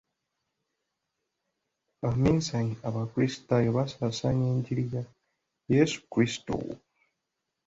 Abaminsani abakrisitaayo baasaasaanya engiri ya yesu kristo.